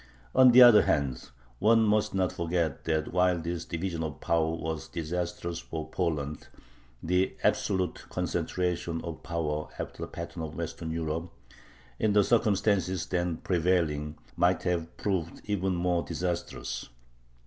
On the other hand, one must not forget that, while this division of power was disastrous for Poland, the absolute concentration of power after the pattern of Western Europe, in the circumstances then prevailing, might have proved even more disastrous.